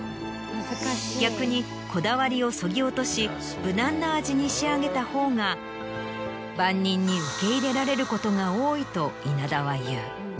逆にこだわりをそぎ落とし無難な味に仕上げたほうが万人に受け入れられることが多いと稲田は言う。